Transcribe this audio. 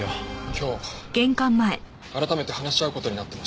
今日改めて話し合う事になってました。